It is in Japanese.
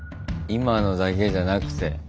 今のだけじゃなくて。